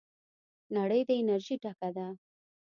نړۍ د انرژۍ ډکه ده.